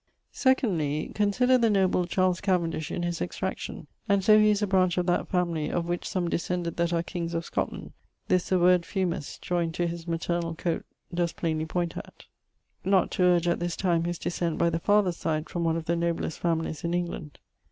'Secondly, consider the noble Charles Cavendish in his extraction, and so he is a branch of that family, of which some descended that are kings of Scotland: this the word Fuimus joyned to his maternall[XLI.] coate does plainly point at not to urge at this time his descent by the father's side from one of the noblest families in England.